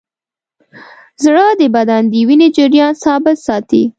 زړه د بدن د وینې جریان ثابت ساتي.